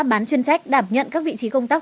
bán chuyên trách đảm nhận các vị trí công tác